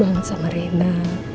kangen banget sama rena